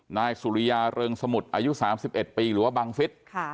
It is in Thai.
นายสุริยาเริงสมุทรอายุ๓๑ปีหรือว่าบังฟิศ